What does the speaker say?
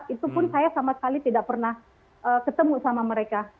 itu pun saya sama sekali tidak pernah ketemu sama mereka